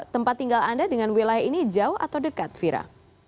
tempat tinggal anda dengan wilayah ini jauh atau dekat vira